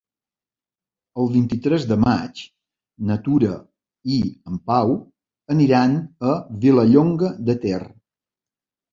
El vint-i-tres de maig na Tura i en Pau aniran a Vilallonga de Ter.